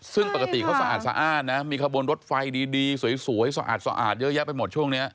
ซึ่งปกติเขาสะอาดนะมีกระบวนรถไฟดีสวยให้สะอาดเยอะแยะไปหมดช่วงนี้